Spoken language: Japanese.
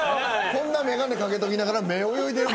こんな眼鏡掛けときながら目泳いでる。